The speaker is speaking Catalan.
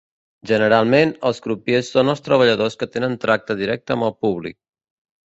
Generalment, els crupiers són els treballadors que tenen tracte directe amb el públic.